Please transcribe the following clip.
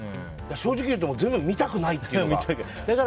正直言うと全部見たくないというか。